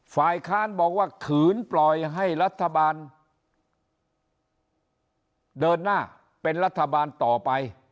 ฝ่ายค้านบอกว่าขืนปล่อยให้รัฐบาลเดินหน้าเป็นรัฐบาลต่อไป